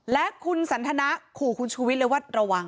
และคุณสันทนาขู่คุณชูวิทย์เลยว่าระวัง